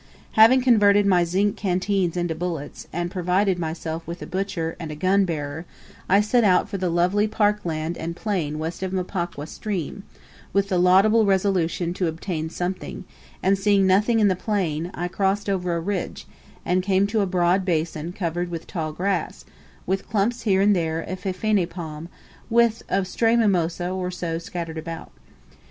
Having converted my zinc canteens into bullets, and provided myself with a butcher and gun bearer, I set out for the lovely park land and plain west of Mpokwa stream, with the laudable resolution to obtain something; and seeing nothing in the plain, I crossed over a ridge, and came to a broad basin covered with tall grass, with clumps here and there of hyphene palm, with a stray mimosa or so scattered about.